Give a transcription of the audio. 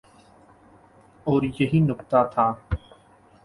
اوریہی نکتہ تھا۔